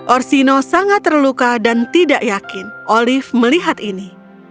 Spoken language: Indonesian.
orsino sangat terluka dan tidak yakin olive melihat ini